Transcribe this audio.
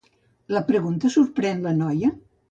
La pregunta sorprèn la noia?